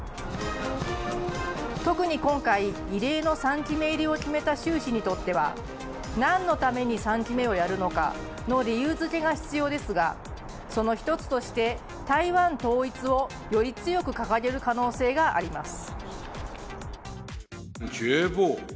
特に今回、異例の３期目入りを決めた習氏にとっては何のために３期目をやるのかの理由づけが必要ですがその一つとして台湾統一をより強く掲げる可能性があります。